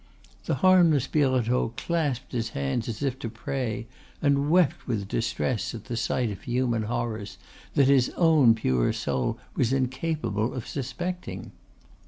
The harmless Birotteau clasped his hands as if to pray, and wept with distress at the sight of human horrors that his own pure soul was incapable of suspecting.